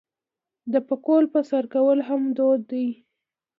د پکول په سر کول هم دود دی.